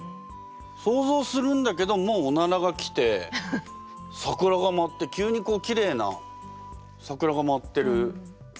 想像するんだけどもう「おなら」が来て桜がまって急にこうきれいな桜がまってる。